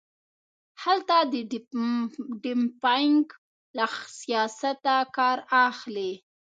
هلته د ډمپینګ له سیاسته کار اخلي.